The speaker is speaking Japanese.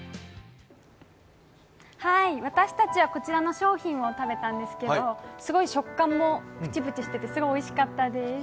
私たちはこちらの商品を食べたんですけど食感もプチプチしてて、すごいおいしかったです。